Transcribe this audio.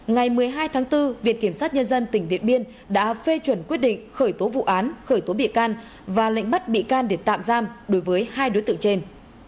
ngày một mươi hai tháng bốn viện kiểm sát nhân dân tỉnh điện biên đã phê chuẩn quyết định khởi tố vụ án khởi tố bị can và lệnh bắt bị can để tạm giam đối với hai đối tượng trên